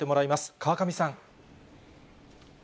川上さん。